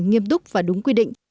nghiêm túc và đúng quy định